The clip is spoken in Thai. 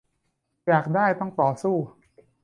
อยากได้ต้องต่อสู้